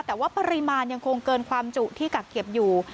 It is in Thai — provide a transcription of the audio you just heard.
แต่ว่าปริมาณยังคงเกินความจุที่กักเก็บอยู่